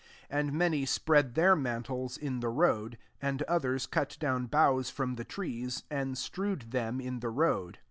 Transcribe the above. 8 And many spread their mantles in the road: and others cut down boughs from the trees, and strewed them in the road.